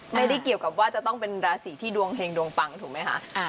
ไม่ได้เกี่ยวกับว่าจะต้องเป็นราศีที่ดวงเฮงดวงปังถูกไหมคะ